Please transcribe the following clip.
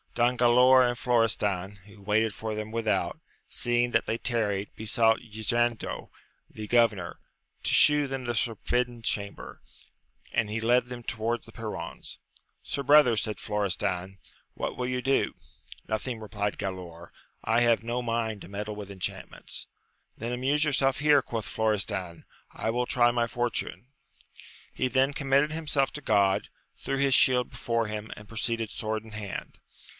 Don Galaor and Florestan, who waited for them without, seeing that they tarried, besought Ysanjo, the governor, to shew them the forbidden chamber, and he led them towards the perrons. Sir brother, said Flo^ restan, what will you do 1 Nothing, replied Galaor : I have no mind to meddle with enchantments. Then amuse yourself here, quoth Florestan, I will try my for tune. He then commended himself to God, threw his shield before him, and proceeded sword in hand.